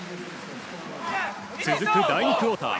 続く第２クオーター。